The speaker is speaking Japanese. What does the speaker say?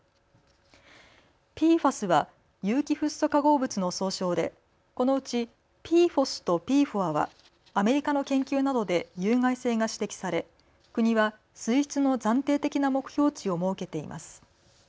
ＰＦＡＳは有機フッ素化合物の総称でこのうちＰＦＯＳとＰＦＯＡはアメリカの研究などで有害性が指摘され国は水質の暫定的な目標値を設けています。